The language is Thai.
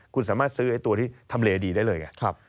คุณสามารถซื้อตัวที่ทำเลดีได้เลยไง